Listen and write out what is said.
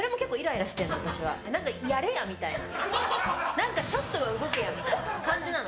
何かちょっとは動けよみたいな感じなの。